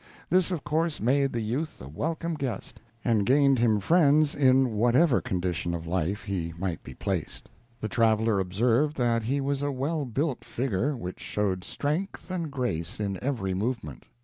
This of course made the youth a welcome guest, and gained him friends in whatever condition of his life he might be placed. The traveler observed that he was a well built figure which showed strength and grace in every movement.